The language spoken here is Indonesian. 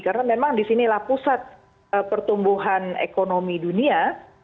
karena memang disinilah pusat pertumbuhan ekonomi dunia